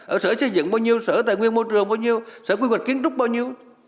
ở sở xây dựng bao nhiêu sở tài nguyên môi trường bao nhiêu sở quy hoạch kiến trúc bao nhiêu